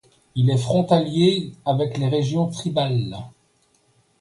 Il est frontalier avec les régions tribales.